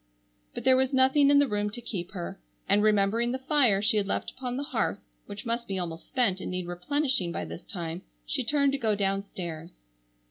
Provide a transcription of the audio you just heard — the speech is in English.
But there was nothing in the room to keep her, and remembering the fire she had left upon the hearth, which must be almost spent and need replenishing by this time, she turned to go downstairs.